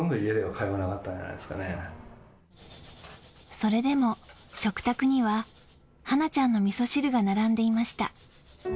それでも食卓には、はなちゃんのみそ汁が並んでいました。